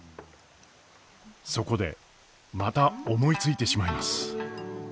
そこでまた思いついてしまいます！